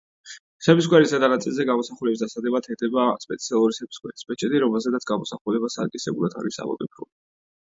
სეფისკვერის ზედა ნაწილზე გამოსახულების დასადებად ედება სპეციალური სეფისკვერის ბეჭედი, რომელზედაც გამოსახულება სარკისებურად არის ამოტვიფრული.